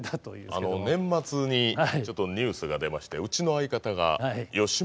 年末にちょっとニュースが出ましてうちの相方が吉本を辞めるという。